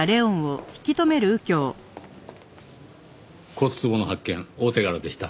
骨壺の発見大手柄でした。